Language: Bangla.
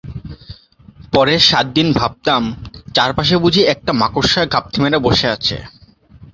পরের সাতদিন ভাবতাম, চারপাশে বুঝি একটা মাকড়সা ঘাপটি মেরে বসে আছে।